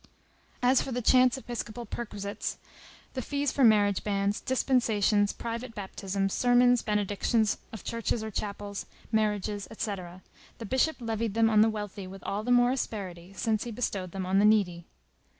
As for the chance episcopal perquisites, the fees for marriage bans, dispensations, private baptisms, sermons, benedictions, of churches or chapels, marriages, etc., the Bishop levied them on the wealthy with all the more asperity, since he bestowed them on the needy.